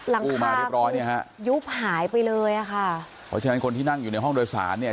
รังคาขุดยุบหายไปเลยอะค่ะเพราะฉะนั้นคนที่นั่งอยู่ในห้องโดยศาธิ์เนี่ย